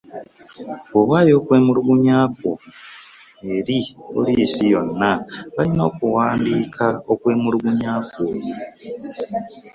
Bwowaayo okwemulugunyaako eri poliisi yonna balina okuwandiika okwemulugunya kwo.